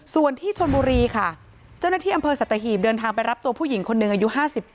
ส่วนที่ชนบุรีค่ะเจ้าหน้าที่อำเภอสัตหีบเดินทางไปรับตัวผู้หญิงคนหนึ่งอายุ๕๘